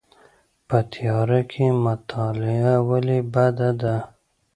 په تیاره کې مطالعه ولې بده ده؟